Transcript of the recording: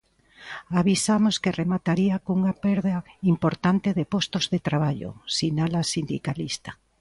"Avisamos que remataría cunha perda importante de postos de traballo", sinala a sindicalista.